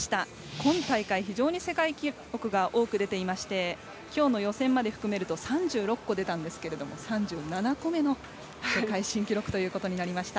今大会、非常に世界記録が多く出ていましてきょうの予選まで含めると３６個出たんですけれども３７個目の世界新記録ということになりました。